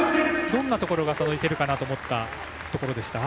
どんなところがいけるかなと思ったところでした。